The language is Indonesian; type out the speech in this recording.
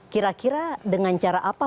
kira kira dengan cara apa